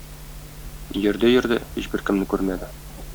Йөрде-йөрде, һич беркемне күрмәде.